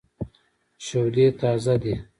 شودې تازه دي.